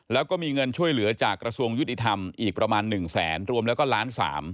แล้วก็มีเงินช่วยเหลือจากกระทรวงยุติธรรมอีกประมาณ๑แสนรวมแล้วก็ล้าน๓